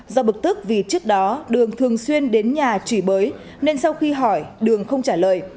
do bực tức vì trước đó đường thường xuyên đến nhà chửi bới nên sau khi hỏi đường không trả lời